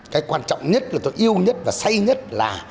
cái quan trọng nhất là tôi yêu nhất và say nhất là